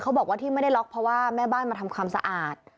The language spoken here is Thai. บอกว่าที่ไม่ได้ล็อกเพราะว่าแม่บ้านมาทำความสะอาด